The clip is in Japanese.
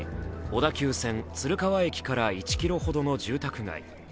小田急線・鶴川駅から１ｋｍほどの住宅街。